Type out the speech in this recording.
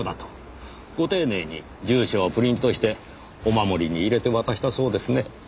ご丁寧に住所をプリントしてお守りに入れて渡したそうですね。